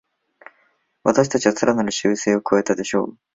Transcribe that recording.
私たちはさらなる修正を加えたでしょう